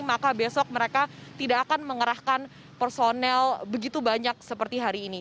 maka besok mereka tidak akan mengerahkan personel begitu banyak seperti hari ini